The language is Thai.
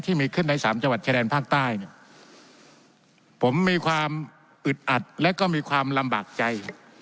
ที่มีขึ้นในสามจังหวัดชายแดนภาคใต้เนี่ยผมมีความอึดอัดและก็มีความลำบากใจ